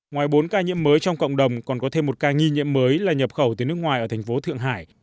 ngoài bốn ca nhiễm mới trong cộng đồng còn có thêm một ca nghi nhiễm mới là nhập khẩu từ nước ngoài ở thành phố thượng hải